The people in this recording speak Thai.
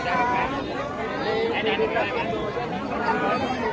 ต้องกว่าจะเลือกตั้งเสร็จแล้วเนอะ